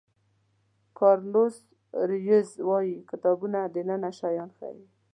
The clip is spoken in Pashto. کارلوس رویز وایي کتابونه دننه شیان ښیي.